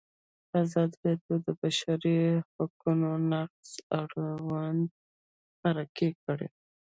ازادي راډیو د د بشري حقونو نقض اړوند مرکې کړي.